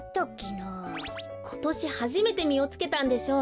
ことしはじめてみをつけたんでしょう。